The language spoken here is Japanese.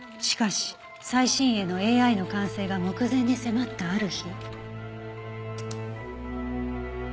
しかし最新鋭のＡＩの完成が目前に迫ったある日。